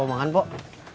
mau makan pok